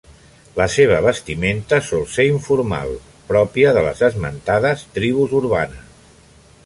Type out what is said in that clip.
La seva vestimenta sol ser informal, pròpia de les esmentades tribus urbanes.